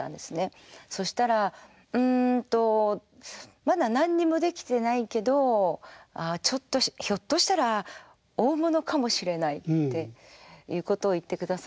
そしたら「うんとまだ何にもできてないけどちょっとひょっとしたら大物かもしれない」っていうことを言ってくださって。